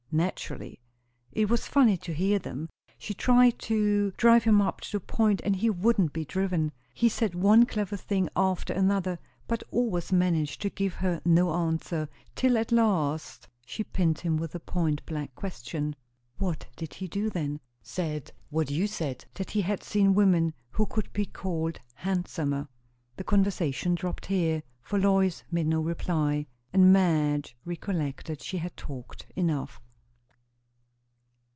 "Naturally." "It was funny to hear them; she tried to drive him up to the point, and he wouldn't be driven; he said one clever thing after another, but always managed to give her no answer; till at last she pinned him with a point blank question." "What did he do then?" "Said what you said; that he had seen women who would be called handsomer." The conversation dropped here, for Lois made no reply, and Madge recollected she had talked enough.